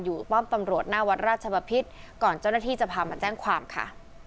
ป้อมตำรวจหน้าวัดราชบพิษก่อนเจ้าหน้าที่จะพามาแจ้งความค่ะ